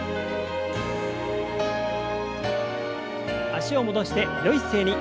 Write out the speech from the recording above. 脚を戻してよい姿勢に。